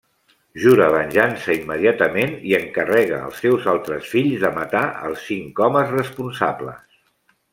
Jura venjança immediatament i encarrega els seus altres fills de matar els cinc homes responsables.